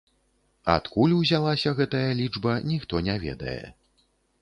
Адкуль узялася гэтая лічба, ніхто не ведае.